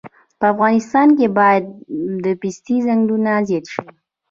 په افغانستان کې باید د پستې ځنګلونه زیات شي